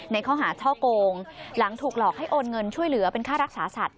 ในข้อหาช่อโกงหลังถูกหลอกให้โอนเงินช่วยเหลือเป็นค่ารักษาสัตว